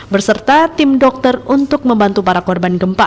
berserta tim dokter untuk membantu para korban gempa